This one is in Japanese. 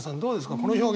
この表現。